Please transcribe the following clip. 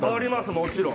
もちろん！